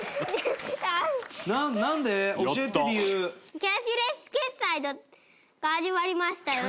キャッシュレス決済が始まりましたよね。